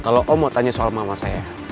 kalau om mau tanya soal mama saya